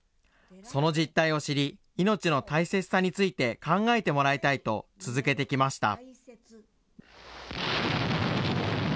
その実態を知り、命の大切さについて考えてもらいたいと、続けてきました。